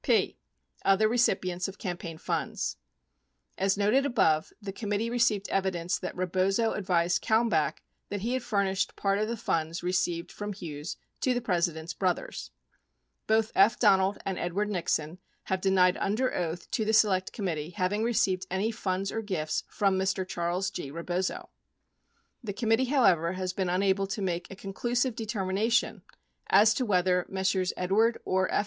P. Other Recipients of Campaign Funds As noted above, the committee received evidence that Rebozo ad vised Kalmbach that he had furnished part of the funds received from Hughes to the President's brothers. Both F. Donald and Edward Nixon have denied under oath to the Select Committee having received any funds or gifts from Mr. Charles G. Rebozo. The committee, however, has been unable to make a conclusive deter mination as to whether Messrs. Edward or F.